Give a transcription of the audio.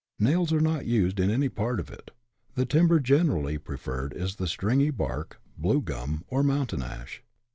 Nails are not used in any part of it. The timber generally preferred is the stringy bark, blue gum, or mountain ash.